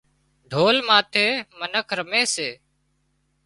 ڍول ماٿي منک رمي سي